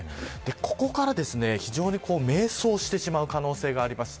ここから非常に迷走してしまう可能性があります。